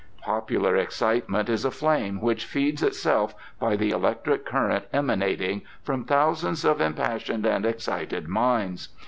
Popular excitement is a flame which feeds itself by the electric current emanating from thousands of impassioned and excited minds.